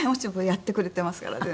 やってくれてますから全部。